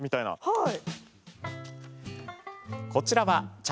はい。